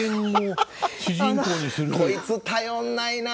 「こいつ頼んないな。